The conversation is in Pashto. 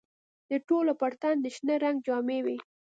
د ټولو پر تن د شنه رنګ جامې وې.